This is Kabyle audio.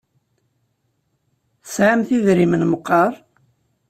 Tesɛamt idrimen meqqar?